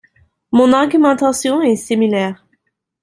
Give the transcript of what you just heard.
Mon argumentation est similaire.